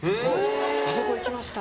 あそこ行きました